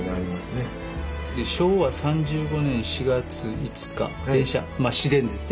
で昭和３５年４月５日電車まあ市電ですね